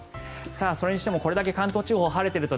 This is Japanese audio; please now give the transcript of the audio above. それにしてもこれだけ関東地方が晴れていると